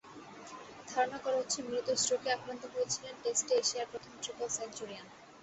ধারণা করা হচ্ছে, মৃদু স্ট্রোকে আক্রান্ত হয়েছিলেন টেস্টে এশিয়ার প্রথম ট্রিপল সেঞ্চুরিয়ান।